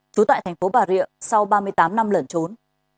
trú tại thành phố bà rịa sau ba mươi tám năm lẩn trốn